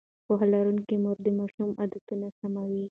پوهه لرونکې مور د ماشوم عادتونه سموي.